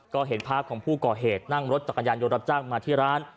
ก็เห็นภาพของผู้ก่อเหตุนั่งรถจักรยานยนต์รับจ้างมาที่ร้าน